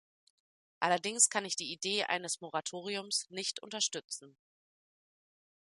Allerdings kann ich die Idee eines Moratoriums nicht unterstützen.